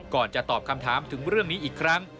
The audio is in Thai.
จะตอบคำถามถึงเรื่องนี้อีกครั้ง